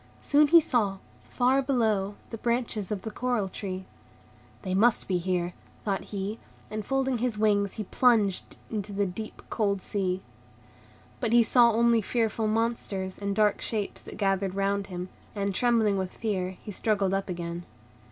Soon he saw, far below, the branches of the coral tree. "They must be here," thought he, and, folding his wings, he plunged into the deep, cold sea. But he saw only fearful monsters and dark shapes that gathered round him; and, trembling with fear, he struggled up again.